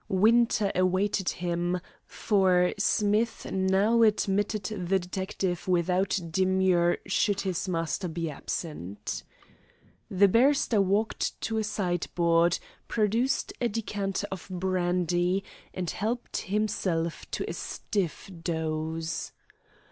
Winter awaited him, for Smith now admitted the detective without demur should his master be absent. The barrister walked to a sideboard, produced a decanter of brandy, and helped himself to a stiff dose.